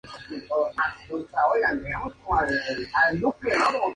El ser humano no tiene sensibilidad ante todas la frecuencias.